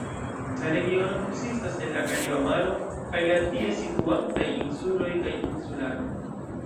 La regiono konsistas el la Kariba Maro kaj la tie situantaj insuloj kaj insularoj.